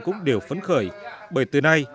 cũng đều phấn khởi bởi từ nay